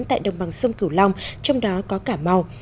tại đồng bằng sông cửu long trong đó có cả mau